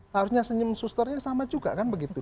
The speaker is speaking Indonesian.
harusnya senyum susternya sama juga kan begitu